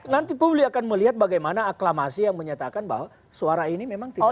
nanti publik akan melihat bagaimana aklamasi yang menyatakan bahwa suara ini memang tidak